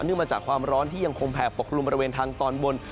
มาจากความร้อนที่ยังคงแผ่ปกกลุ่มบริเวณทางตอนบน